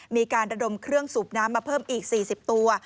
มีการระดมเครื่องสูบน้ำมาเพิ่มอีก๔๐ตัว